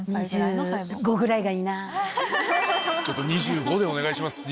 ちょっと２５でお願いします。